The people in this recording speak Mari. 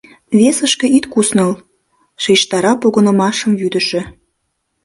Весышке ит кусныл, — шижтара погынымашым вӱдышӧ.